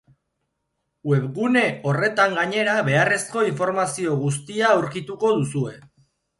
Webgune horretan gainera beharrezko informazio guztia aurkituko duzue.